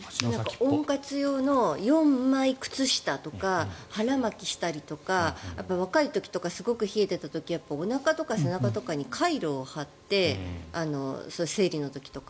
温活用のイオンマイクロ靴下とか腹巻きしたりとか若い時とかすごく冷えてた時おなかとか背中とかにカイロを貼って、生理の時とか。